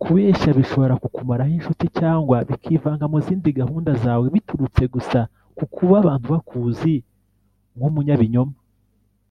Kubeshya bishobora kukumaraho inshuti cyangwa bikivanga mu zindi gahunda zawe biturutse gusa ku kuba abantu bakuzi nk’umunyabinyoma